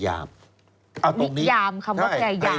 พยายามคำว่าพยายามมันยังไง